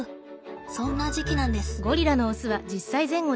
そんな時期なんです。